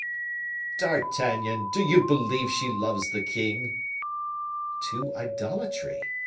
"D'Artagnan, do you believe she loves the king?" "To idolatry.